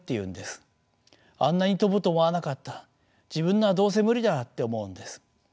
あんなに飛ぶと思わなかった自分のはどうせ無理だって思うんです。